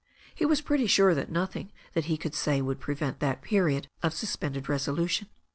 He was pretty sure that nothing that he could say would prevent that period of suspended resolution.